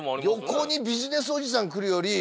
横にビジネスおじさん来るより。